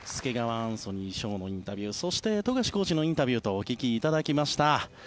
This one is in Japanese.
アンソニー翔のインタビューそして、富樫コーチのインタビューとお聞きいただきました。